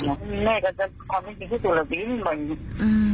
ความพูดจริงที่สุดเป็นอะไรอย่างเงี้ย